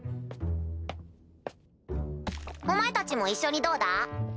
お前たちも一緒にどうだ？